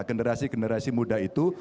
generasi generasi muda itu